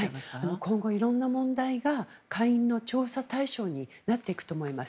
今後、いろんな問題が下院の調査対象になっていくと思います。